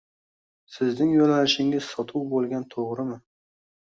sizning yoʻnalishingiz sotuv boʻlgan, toʻgʻrimi?